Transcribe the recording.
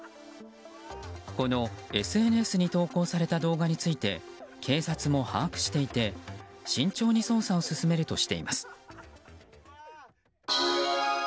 このＳＮＳに投稿された動画について警察も把握していて慎重に捜査を進めるとしています。